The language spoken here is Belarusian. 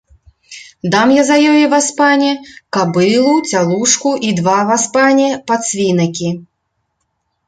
Дам я за ёю, васпане, кабылу, цялушку і два, васпане, падсвінакі.